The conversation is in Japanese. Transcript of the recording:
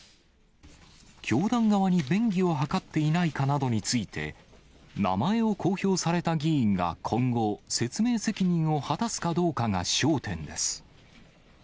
教団側に便宜を図っていないかなどについて、名前を公表された議員が今後、説明責任を果たすかどうかが焦点です。